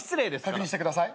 確認してください。